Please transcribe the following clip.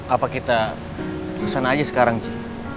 apa kita kesana aja sekarang sih